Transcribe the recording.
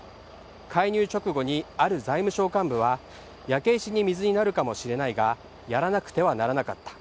介入直後にある財務省幹部は、焼け石に水になるかもしれないがやらなくてはならなかった、